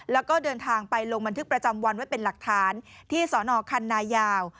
แล้วก็เดินทางไปลงบันทึกประจำวันไว้เป็นหลักฐานที่สนคันนายาว